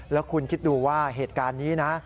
แล้วคุณคิดดูว่าเหตุการณ์นี้นะ